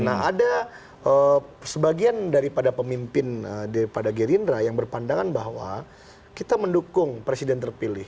nah ada sebagian daripada pemimpin daripada gerindra yang berpandangan bahwa kita mendukung presiden terpilih